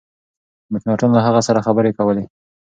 مکناټن له هغه سره خبري کولې.